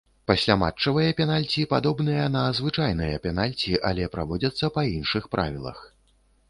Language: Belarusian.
Пасляматчавыя пенальці падобныя на звычайныя пенальці, але праводзяцца па іншых правілах.